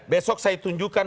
besok saya tunjukkan